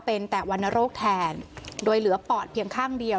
เป็นแต่วรรณโรคแทนโดยเหลือปอดเพียงข้างเดียว